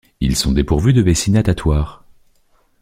Ils sont dépourvus de vessie natatoire.